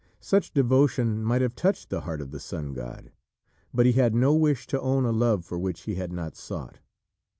Such devotion might have touched the heart of the sun god, but he had no wish to own a love for which he had not sought.